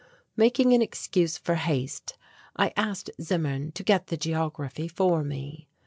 Making an excuse for haste, I asked Zimmern to get the geography for me.